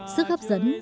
sức hấp dẫn